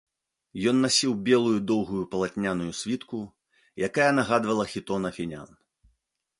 Ён насіў белую доўгую палатняную світку, якая нагадвала хітон афінян.